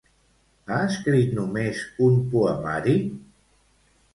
Ha escrit només un poemari?